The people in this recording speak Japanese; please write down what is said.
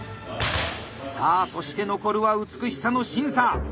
さあそして残るは「美しさ」の審査。